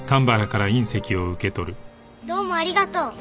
どうもありがとう。